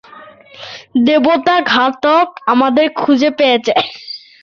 দেবতা ঘাতক আমাদের খুঁজে পেয়েছে।